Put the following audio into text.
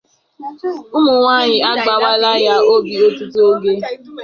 ụmụnwaanyị agbawaala ya obi ọtụtụ oge